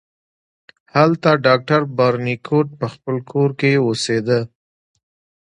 هلته ډاکټر بارنیکوټ په خپل کور کې اوسیده.